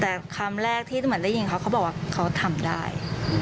แต่คำแรกที่เหมือนได้ยินเขาเขาบอกว่าเขาทำได้